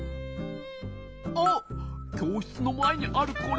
あっきょうしつのまえにあるこれはなに？